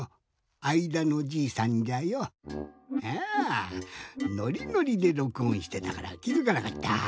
あいだのじいさんじゃよ。やノリノリでろくおんしてたからきづかなかった。